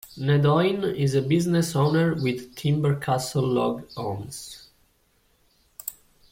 Nedohin is a business owner with Timber Castle Log Homes.